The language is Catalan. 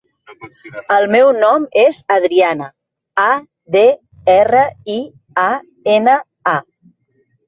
El meu nom és Adriana: a, de, erra, i, a, ena, a.